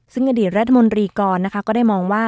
ซึ่งอดีตรัฐมนตรีกรนะคะก็ได้มองว่า